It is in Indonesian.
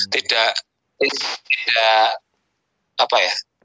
tidak tidak apa ya